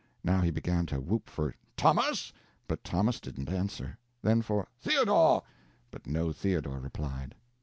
Now he began to whoop for "Thomas," but Thomas didn't answer. Then for "Theodore," but no Theodore replied.